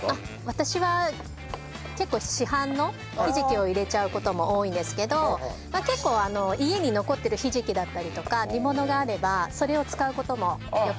私は結構市販のひじきを入れちゃう事も多いんですけど結構家に残ってるひじきだったりとか煮物があればそれを使う事もよくあります。